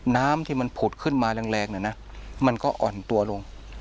น้ำที่มันผุดขึ้นมาแรงเนี่ยนะมันก็อ่อนตัวลง